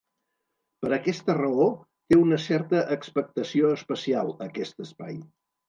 Per aquesta raó, té una certa expectació espacial, aquest espai.